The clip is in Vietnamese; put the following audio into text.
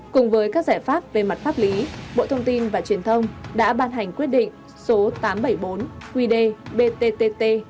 cùng với các giải pháp về mặt pháp lý bộ thông tin và truyền thông đã ban hành quyết định số tám trăm bảy mươi bốn qd btt